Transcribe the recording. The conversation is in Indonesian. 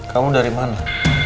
kamu dari mana